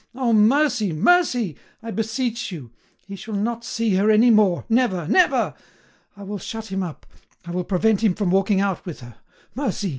Oh! Mercy! Mercy! I beseech you; he shall not see her any more—never, never! I will shut him up. I will prevent him from walking out with her. Mercy!